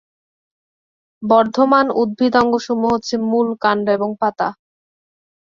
বর্ধমান উদ্ভিদ অঙ্গ সমূহ হলো মূল, কাণ্ড এবং পাতা।